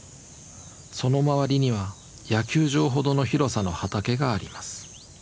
その周りには野球場ほどの広さの畑があります。